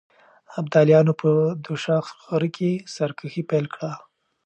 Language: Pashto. ابداليانو په دوشاخ غره کې سرکښي پيل کړه.